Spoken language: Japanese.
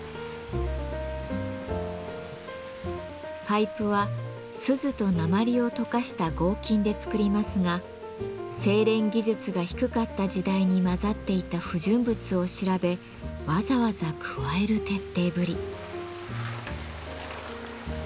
パイプは錫と鉛を溶かした合金で作りますが精錬技術が低かった時代に混ざっていた不純物を調べわざわざ加える徹底ぶり。